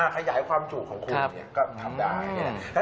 ขยายความถูกของคุณก็งับได้